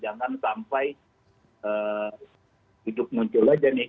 jangan sampai hidup muncul aja nih